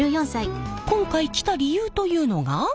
今回来た理由というのが？